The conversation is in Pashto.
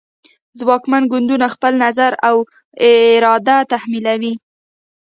ځواکمن ګوندونه خپل نظر او اراده تحمیلوي